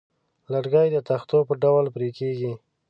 لرګی د تختو په ډول پرې کېږي.